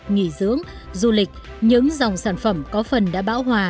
nghỉ dưỡng du lịch những dòng sản phẩm có phần đã bão hòa